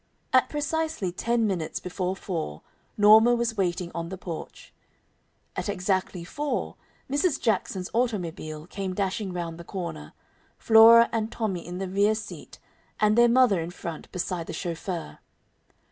At precisely ten minutes before four Norma was waiting on the porch. At exactly four Mrs. Jackson's automobile came dashing round the corner, Flora and Tommy in the rear seat and their mother in front beside the chauffeur.